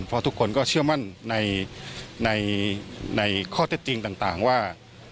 เพราะทุกคนก็เชื่อมั่นในข้อเท็จจริงต่างว่า